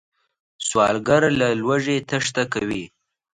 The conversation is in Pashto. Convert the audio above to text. سوالګر له لوږې تېښته کوي